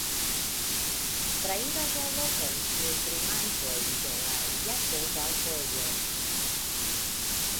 Trairas la lokon pilgrimantoj de la Jakoba Vojo.